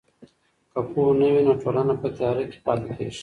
که پوهه نه وي نو ټولنه په تیاره کې پاتې کیږي.